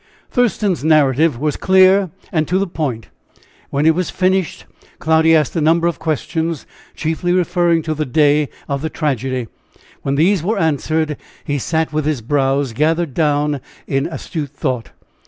Thurston's narrative was clear and to the point. When it was finished Cloudy asked a number of questions, chiefly referring to the day of the tragedy. When these were answered he sat with his brows gathered down in astute thought.